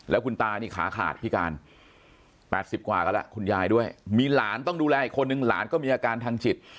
แล้วคุณตานี่ขาขาดพิการ๘๐กว่ากันแล้วคุณยายด้วยมีหลานต้องดูแลอีกคนนึงหลานก็มีอาการทางจิต